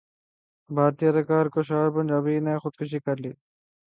بھارتی اداکار کشال پنجابی نے خودکشی کرلی